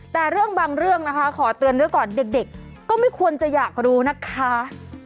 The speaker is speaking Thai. แต่เรื่องบางเรื่องนะคะขอเตือนด้วยก่อนเด็กก็ไม่ควรจะอยากรู้นะคะ